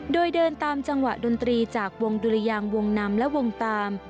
โดยเดินตามจังหวะดนตรีจากวงดุรยางวงนำและวงตาม